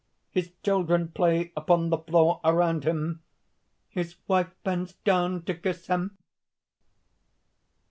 His children play upon the floor around him; his wife bends down to kiss him."